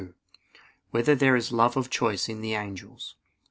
2] Whether There Is Love of Choice in the Angels?